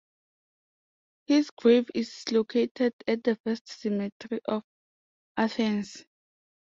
His grave is located at the First Cemetery of Athens.